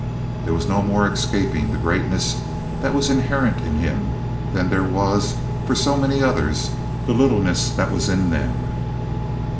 There was no more escaping the greatness that was inherent in him than there was for so many others the littleness that was in them.